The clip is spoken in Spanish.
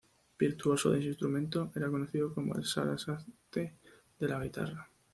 Virtuoso de su instrumento, era conocido como "el Sarasate de la guitarra".